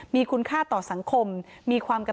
มีคุณค่าต่อสังคม